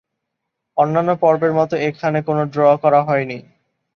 অন্যান্য পর্বের মতো এখানে কোন ড্র করা হয়নি।